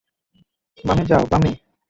বামে যাও, বামে!